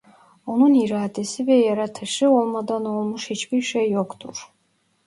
Onun iradesi ve yaratışı olmadan olmuş hiçbir şey yoktur.